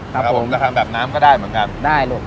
ครับผมราคาแบบน้ำก็ได้เหมือนกันได้ลูก